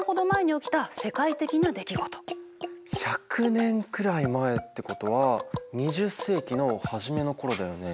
１００年くらい前ってことは２０世紀の初めの頃だよね。